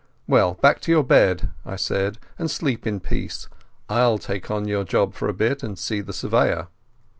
"Well, back to your bed," I said, "and sleep in peace. I'll take on your job for a bit and see the Surveyor."